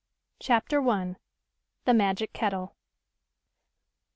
CHAPTER L THE MAGIC KETTLE.